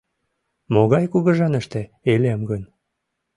Могай кугыжаныште илем гын?..